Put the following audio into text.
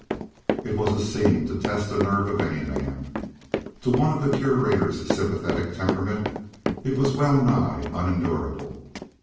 It was a scene to test the nerve of any man. To one of the Curator's sympathetic temperament it was well nigh unendurable.